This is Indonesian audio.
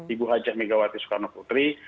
ibu hajah megawati soekarno putri